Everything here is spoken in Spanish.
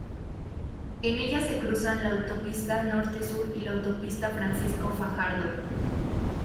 En ella se cruzan la Autopista Norte Sur y la Autopista Francisco Fajardo.